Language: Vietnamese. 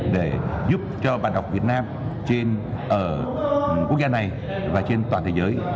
để giúp cho bản độc việt nam ở quốc gia này và trên toàn thế giới